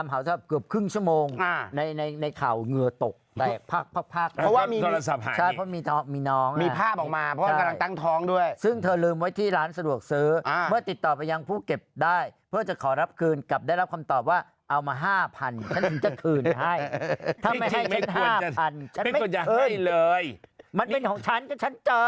จะคืนให้ถ้าไม่ให้ฉัน๕พันฉันไม่คืนมันเป็นของฉันก็ฉันเจอ